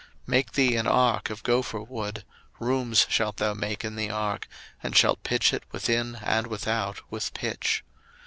01:006:014 Make thee an ark of gopher wood; rooms shalt thou make in the ark, and shalt pitch it within and without with pitch.